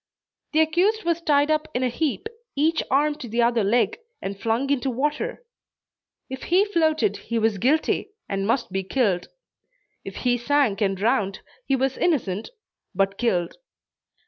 The accused was tied up in a heap, each arm to the other leg, and flung into water. If he floated he was guilty, and must be killed. If he sank and drowned, he was innocent but killed.